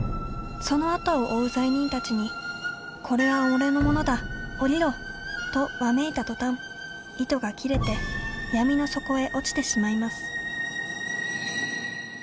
そのあとを追う罪人たちに「これは俺の物だ！おりろ！」とわめいた途端糸が切れて闇の底へ落ちてしまいます。